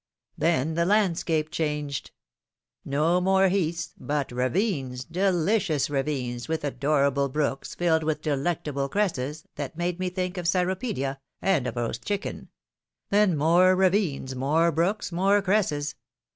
Then the landscape changed ; no more heaths, but ravines, delicious ravines, with ador able brooks, filled with delectable cresses, that made me think of the Cyropedia, and of roast chicken ; then more ravines, more brooks, more cresses.